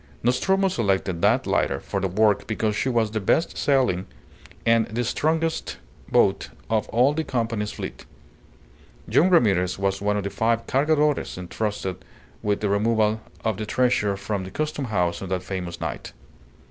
Nostromo selected that lighter for the work because she was the best sailing and the strongest boat of all the Company's fleet. Young Ramirez was one of the five Cargadores entrusted with the removal of the treasure from the Custom House on that famous night.